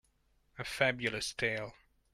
A Fabulous tale.